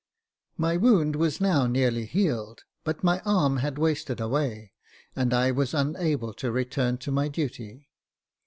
My wound was now nearly healed j but my arm had wasted away, and I was unable to return to my duty.